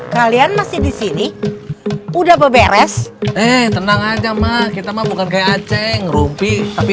kalian masih di sini udah berberes eh tenang aja mak kita mah bukan kayak aceh rumpi tapi